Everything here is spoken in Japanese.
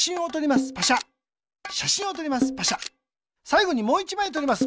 さいごにもう１まいとります。